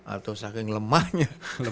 atau saking lemahnya